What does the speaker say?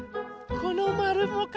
このまるもか。